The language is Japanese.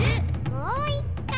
もういっかい！